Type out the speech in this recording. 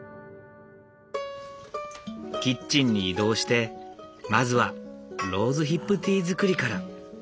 キッチンに移動してまずはローズヒップティー作りから。